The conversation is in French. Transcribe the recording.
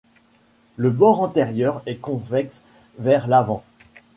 Le bord antérieur est convexe vers l'avant.